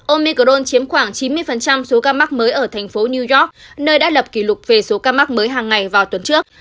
omicron chiếm khoảng chín mươi số ca mắc mới ở thành phố new york nơi đã lập kỷ lục về số ca mắc mới hàng ngày vào tuần trước